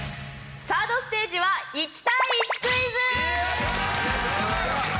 サードステージは１対１クイズ！